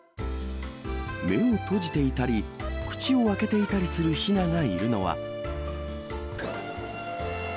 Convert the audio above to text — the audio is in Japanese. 目を閉じていたり、口を開けていたりするひながいるのは。